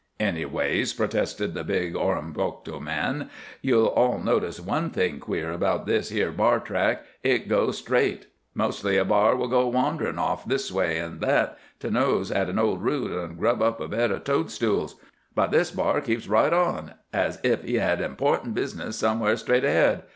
"Anyways," protested the big Oromocto man, "ye'll all notice one thing queer about this here b'ar track. It goes straight. Mostly a b'ar will go wanderin' off this way an' that, to nose at an old root, er grub up a bed o' toad stools. But this b'ar keeps right on, as ef he had important business somewhere straight ahead.